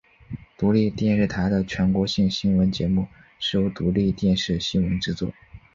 独立电视台的全国性新闻节目是由独立电视新闻制作。